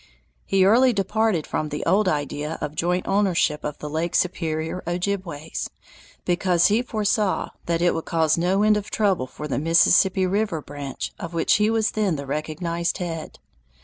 He early departed from the old idea of joint ownership with the Lake Superior Ojibways, because he foresaw that it would cause no end of trouble for the Mississippi River branch of which he was then the recognized head.